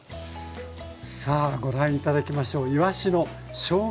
さあご覧頂きましょう。